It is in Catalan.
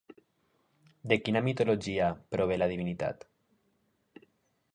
De quina mitologia prové la divinitat?